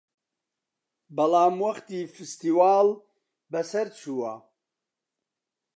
بەڵام وەختی فستیواڵ بەسەر چووە